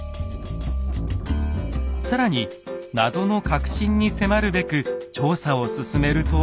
更に謎の核心に迫るべく調査を進めると。